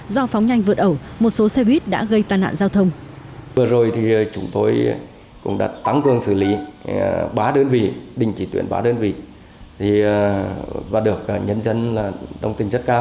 do phóng nhanh vượt ẩu một số xe buýt đã gây tàn nạn giao thông